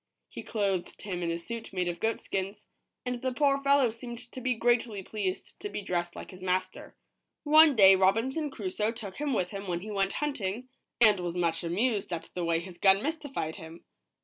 He clothed him in a suit made of goatskins, and the poor fellow seemed to be greatly pleased to be dressed like his master. One day Robinson Crusoe took him with him when he went hunting, and was much amused at the way his gun mystified him.